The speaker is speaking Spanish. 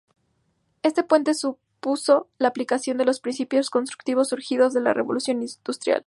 Este puente supuso la aplicación de los principios constructivos surgidos de la Revolución Industrial.